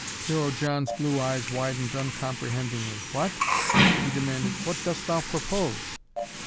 Hero John's blue eyes widened uncomprehendingly. "What?" he demanded. "What dost thou propose?"